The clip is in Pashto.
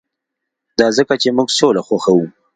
دا ځکه چې موږ سوله خوښوو